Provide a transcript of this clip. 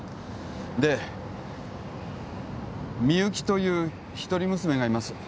でみゆきという一人娘がいます